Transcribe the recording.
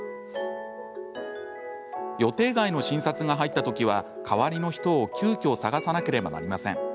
予定外の診察が入ったときは代わりの人を急きょ探さなければなりません。